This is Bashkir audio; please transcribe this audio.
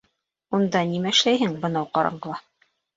— Унда нимә эшләйһең бынау ҡараңғыла?